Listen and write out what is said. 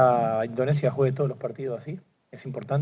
semoga indonesia memenangkan pertempuran seperti ini